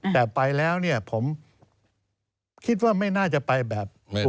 แต่ไปแล้วเนี่ยผมคิดว่าไม่น่าจะไปแบบ